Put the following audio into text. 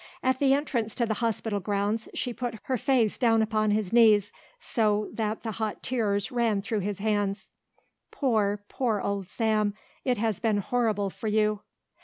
At the entrance to the hospital grounds she put her face down upon his knees so that the hot tears ran through his hands. "Poor, poor old Sam, it has been horrible for you."